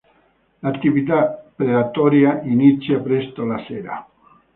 L'attività predatoria inizia presto la sera.